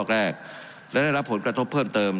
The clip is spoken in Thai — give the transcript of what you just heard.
และรับผลกระทบเพิ่มเติม